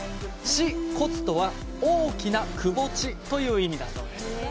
シ・コツとは大きな窪地という意味だそうです。